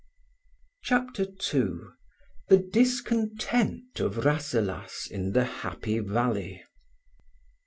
CHAPTER II THE DISCONTENT OF RASSELAS IN THE HAPPY VALLEY.